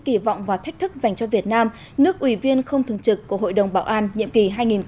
kỳ vọng và thách thức dành cho việt nam nước ủy viên không thường trực của hội đồng bảo an nhiệm kỳ hai nghìn hai mươi hai nghìn hai mươi một